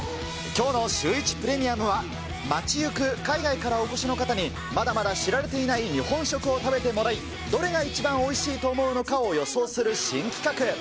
きょうのシューイチプレミアムは、街行く海外からお越しの方に、まだ知られていない日本食を食べてもらい、どれが一番おいしいと思うのかを予想する新企画。